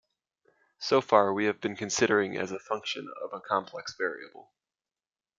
So far we have been considering as a function of a complex variable.